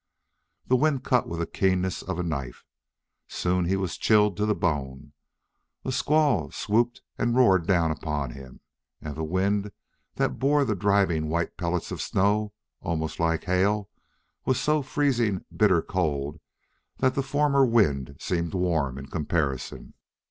The wind cut with the keenness of a knife. Soon he was chilled to the bone. A squall swooped and roared down upon him, and the wind that bore the driving white pellets of snow, almost like hail, was so freezing bitter cold that the former wind seemed warm in comparison.